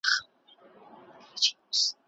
سیاست سخت دی.